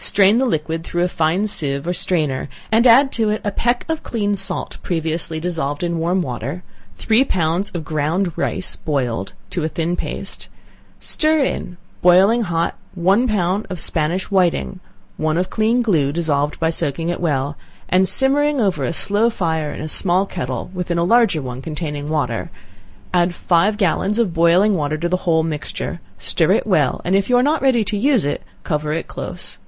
Strain the liquid through a fine sieve or strainer, and add to it a peck of clean salt, previously dissolved in warm water, three pounds of ground rice boiled, to a thin paste; stir in, boiling hot, one pound of Spanish whiting, one of clean glue, dissolved by soaking it well, and simmering over a slow fire in a small kettle within a larger one containing water; add five gallons of boiling water to the whole mixture; stir it well, and if you are not ready to use it, cover it close.